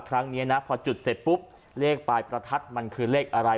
ครั้งนี้นะพอจุดเสร็จปุ๊บเลขปลายประทัดมันคือเลขอะไร